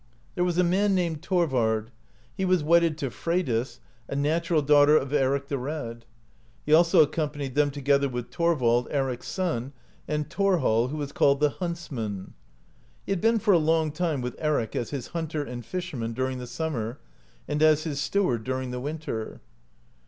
There was a man named Thorvard; he was wedded to Freydis (44) a natural daughter of Eric the Red. He also accompanied them, together with Thorvald, Eric's son, and Thorhall, who was called the Huntsman. He had been for a long time with Eric as his hunter and fisherman during the summer, and as his steward during the winter.